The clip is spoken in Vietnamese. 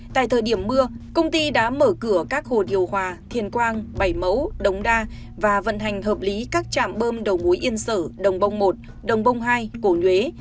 tại thời điểm mưa công ty đã mở cửa các hồ điều hòa thiền quang bảy mẫu đống đa và vận hành hợp lý các trạm bơm đầu mối yên sở đồng bông một đồng bông hai cổ nhuế